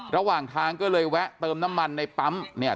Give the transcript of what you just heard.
ระหว่างทางก็เลยแวะเติมน้ำมันในปั๊มเนี่ย